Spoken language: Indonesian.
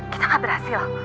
kita gak berhasil